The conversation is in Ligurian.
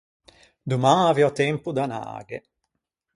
Doman aviò tempo d’anâghe.